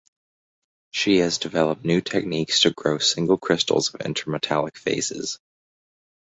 She has developed new techniques to grow single crystals of intermetallic phases.